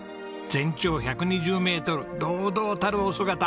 全長１２０メートル堂々たるお姿。